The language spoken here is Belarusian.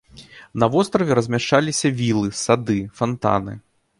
На востраве размяшчаліся вілы, сады, фантаны.